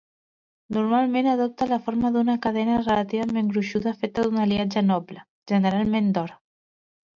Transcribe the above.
Normalment adopta la forma d’una cadena relativament gruixuda feta d’un aliatge noble, generalment d’or.